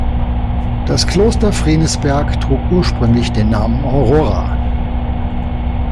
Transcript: Das Kloster Frienisberg trug ursprünglich den Namen "Aurora".